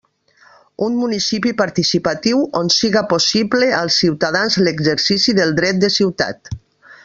Un municipi participatiu, on siga possible als ciutadans l'exercici del «Dret de Ciutat».